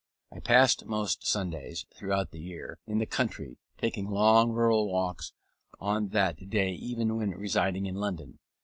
I passed most Sundays, throughout the year, in the country, taking long rural walks on that day even when residing in London.